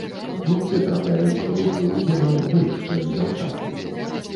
Хлопцы трапляюць пад уплыў генаў больш, чым дзяўчаты.